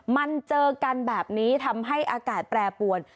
มันเจอกันแบบนี้ทำให้อากาศแปรปวน